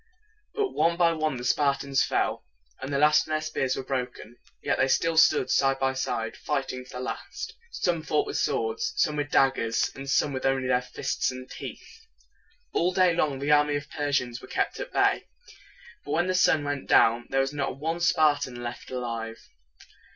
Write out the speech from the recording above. But one by one the Spartans fell. At last their spears were broken; yet still they stood side by side, fighting to the last. Some fought with swords, some with daggers, and some with only their fists and teeth. All day long the army of the Persians was kept at bay. But when the sun went down, there was not one Spartan left alive.